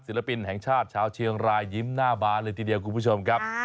ปินแห่งชาติชาวเชียงรายยิ้มหน้าบานเลยทีเดียวคุณผู้ชมครับ